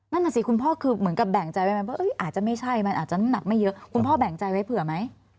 นั่นน่ะสิคุณพ่อคือเหมือนกับแบ่งใจไว้ไหมว่าอาจจะไม่ใช่มันอาจจะน้ำหนักไม่เยอะคุณพ่อแบ่งใจไว้เผื่อไหม